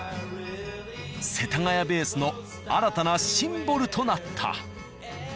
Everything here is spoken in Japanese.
世田谷ベースの新たなシンボルとなった。